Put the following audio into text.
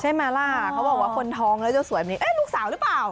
ใช่มั้ยล่ะเขาบอกว่าคนทองแล้วจะสวยมานี้เอ๊ะลูกสาวหรือเปล่า